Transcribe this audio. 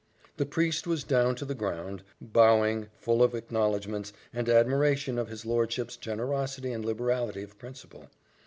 The priest was down to the ground, bowing, full of acknowledgments, and admiration of his lordship's generosity and liberality of principle.